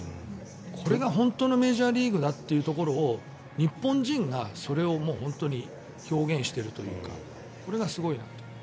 これが本当のメジャーリーグだというところを日本人がそれを表現してるというかこれがすごいなと。